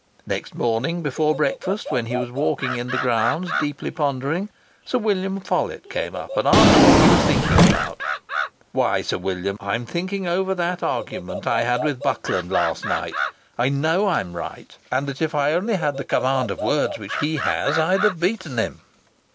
Next morning, before breakfast, when he was walking in the grounds, deeply pondering, Sir William Follett came up and asked what he was thinking about? "Why, Sir William, I am thinking over that argument I had with Buckland last night; I know I am right, and that if I had only the command of words which he has, I'd have beaten him."